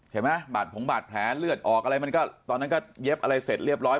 เห็นไหมบาดผงบาดแผลเลือดออกตอนนั้นก็เย็บอะไรเสร็จเรียบร้อย